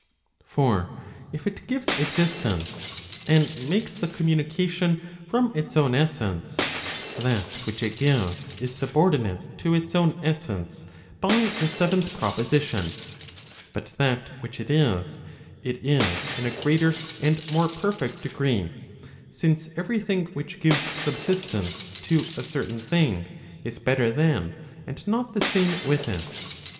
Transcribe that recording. For if it gives existence, and makes the communication from its own essence, that which it gives is subordinate to its own essence [by the 7th Proposition]. But that which it is, it is in a greater and more perfect degree; since every thing which gives subsistence to a certain thing, is better than and not the same with it.